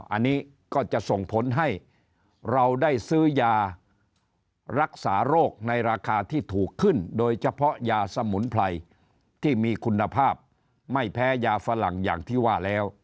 อันนี้ก็จะส่งผลให้เราได้ซื้อยารักษาโรคในราคาที่ถูกขึ้นโดยเฉพาะยาสมุนไพรที่มีคุณภาพไม่แพ้ยาฝรั่งอย่างที่ว่าแล้ว